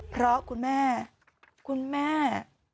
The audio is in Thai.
เพราะคุณแม่คุณแม่